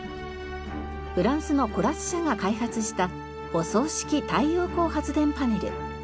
フランスのＣｏｌａｓ社が開発した舗装式太陽光発電パネル。